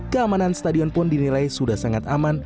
keamanan stadion pun dinilai sudah sangat aman